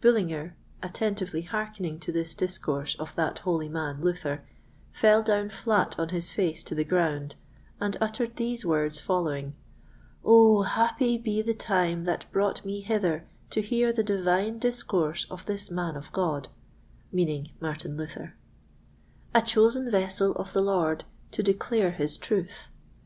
Bullinger, attentively hearkening to this discourse of that holy man, Luther, fell down flat on his face to the ground, and uttered these words following: "Oh, happy be the time that brought me hither to hear the divine discourse of this man of God" (Martin Luther), "a chosen vessel of the Lord to declare his truth!